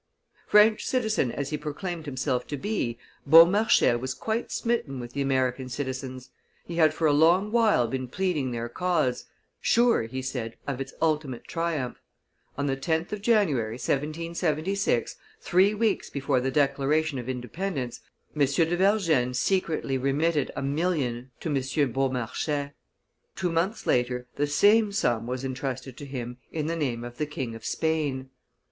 French citizen as he proclaimed himself to be, Beaumarchais was quite smitten with the American citizens; he had for a long while been pleading their cause, sure, he said, of its ultimate triumph. On the 10th of January, 1776, three weeks before the declaration of independence, M. de Vergennes secretly remitted a million to M. de Beaumarchais; two months later the same sum was intrusted to him in the name of the King of Spain.